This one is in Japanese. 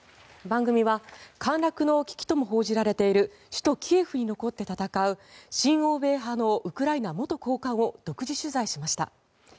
番組は陥落の危機とも報じられている首都キエフに残って戦う親欧米派のウクライナ元高官を独自取材しました。